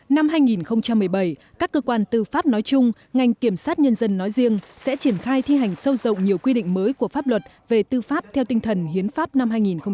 năm hai nghìn một mươi bảy các cơ quan tư pháp nói chung ngành kiểm sát nhân dân nói riêng sẽ triển khai thi hành sâu rộng nhiều quy định mới của pháp luật về tư pháp theo tinh thần hiến pháp năm hai nghìn một mươi